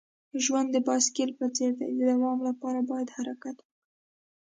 ژوند د بایسکل په څیر دی. د دوام لپاره باید حرکت وکړې.